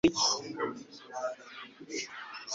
Abasirikare bahagaze ku muryango w’umujyi.